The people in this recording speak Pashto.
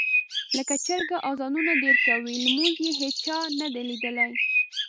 لکه چرګ اذانونه ډېر کوي، لمونځ یې هېچا نه دي لیدلی.